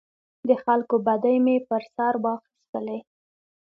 د خلکو بدۍ مې پر سر واخیستلې.